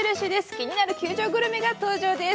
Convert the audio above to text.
気になる球場グルメが登場です。